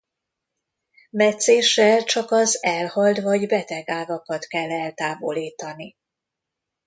Metszéssel csak az elhalt vagy beteg ágakat kell eltávolítani.